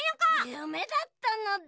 ゆめだったのだ。